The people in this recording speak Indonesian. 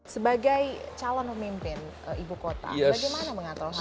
sebagai calon pemimpin ibu kota bagaimana mengatur hal ini